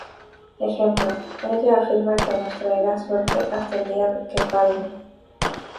Ejemplo: ""Ella afirma que nos traerá suerte hasta el día que palme"".